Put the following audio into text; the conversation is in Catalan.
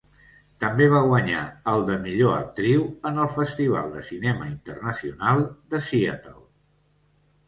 També va guanyar el de Millor Actriu en el Festival de Cinema Internacional de Seattle.